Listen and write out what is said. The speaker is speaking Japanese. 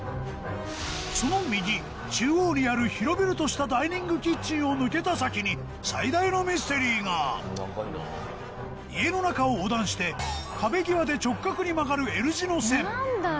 その右中央にある広々としたダイニングキッチンを抜けた先に最大のミステリーが家の中を横断して壁際で直角に曲がるＬ字の線